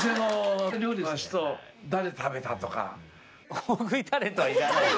大食いタレントは要らないよ